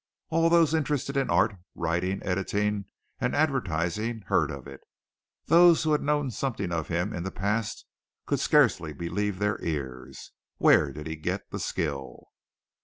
All those interested in art, writing, editing and advertising heard of it. Those who had known something of him in the past could scarcely believe their ears. Where did he get the skill?